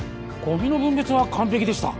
ごみの分別は完璧でした